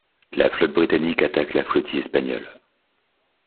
La flotte britannique attaque la flottille espagnole.